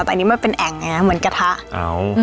แต่อันนี้มันเป็นแอ่งอย่างเงี้ยเหมือนกระทะอ๋ออืม